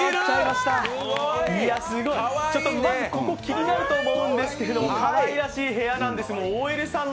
まずここ、気になると思うんですけど、かわいらしい部屋なんですけど。